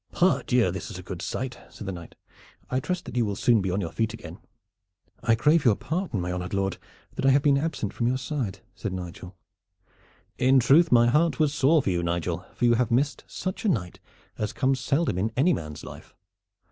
"Pardieu! this is a good sight," said the knight. "I trust that you will soon be on your feet again." "I crave your pardon, my honored lord, that I have been absent from your side," said Nigel. "In truth my heart was sore for you, Nigel; for you have missed such a night as comes seldom in any man's life.